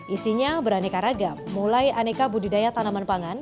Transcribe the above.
isinya beraneka ragam mulai aneka budidaya tanaman pangan